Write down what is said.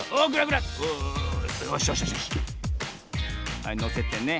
はいのせてね。